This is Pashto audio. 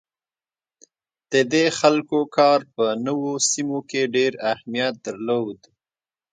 د دې خلکو کار په نوو سیمو کې ډیر اهمیت درلود.